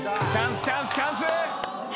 チャンスチャンスチャンス！